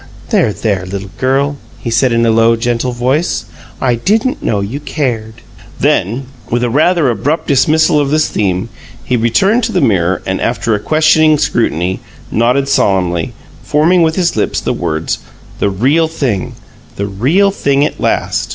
"There, there, little girl," he said in a low, gentle voice. "I didn't know you cared!" Then, with a rather abrupt dismissal of this theme, he returned to the mirror and, after a questioning scrutiny, nodded solemnly, forming with his lips the words, "The real thing the real thing at last!"